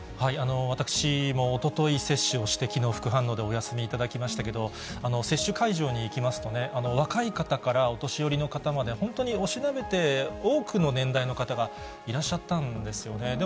私も、おととい接種をして、きのう副反応でお休み頂きましたけど、接種会場に行きますとね、若い方からお年寄りの方まで、本当に押しなべて、多くの年代の方がいらっしゃったんですよね。